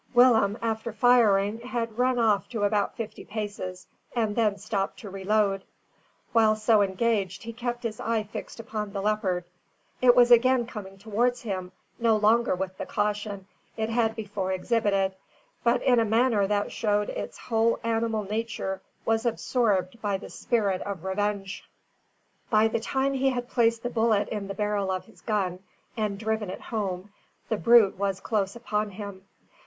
Willem, after firing, had run off to about fifty paces, and then stopped to reload. While so engaged he kept his eye fixed upon the leopard. It was again coming towards him, no longer with the caution it had before exhibited, but in a manner that showed its whole animal nature was absorbed by the spirit of revenge. By the time he had placed the bullet in the barrel of his gun and driven it home, the brute was close upon him.